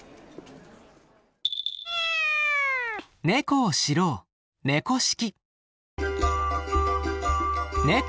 ネコを知ろう「猫識」。